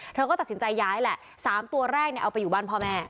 เธอก็ตัดสินใจย้ายแหละ๓ตัวแรกเอาไปอยู่บ้านพ่อแม่